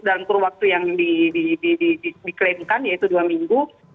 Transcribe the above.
dalam kurun waktu yang diklaimkan yaitu dua minggu